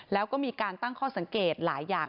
แล้วก็มีการตั้งข้อสังเกตหลายอย่าง